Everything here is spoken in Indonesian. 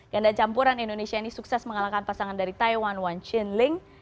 dan campuran indonesia ini sukses mengalahkan pasangan dari taiwan wan xinling